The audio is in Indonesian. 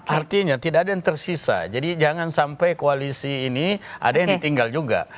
artinya tidak ada yang tersisa jadi jangan sampai koalisi ini ada yang ditinggal juga